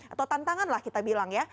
atau tantangan lah kita bilang ya